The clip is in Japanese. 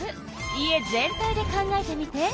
家全体で考えてみて。